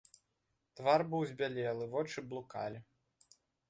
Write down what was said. Твар быў збялелы, вочы блукалі.